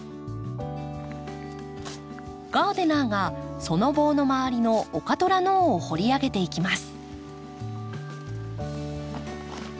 ガーデナーがその棒の周りのオカトラノオを掘り上げていきます。